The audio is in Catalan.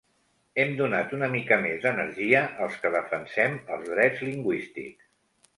Hem donat una mica més d’energia als que defensem els drets lingüístics.